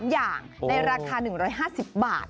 ๓อย่างในราคา๑๕๐บาท